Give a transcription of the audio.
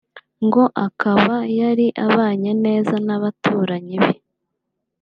ngo akaba yari abanye neza n’abaturanyi be